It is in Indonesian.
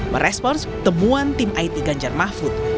merespons temuan tim it ganjar mahfud